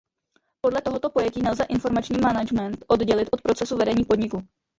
Podle tohoto pojetí nelze informační management oddělit od procesu vedení podniku.